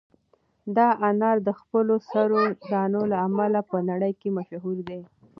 دا انار د خپلو سرو دانو له امله په نړۍ کې مشهور دي.